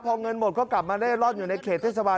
พอเงินหมดก็กลับมาได้รอดอยู่ในเขตเทชาวา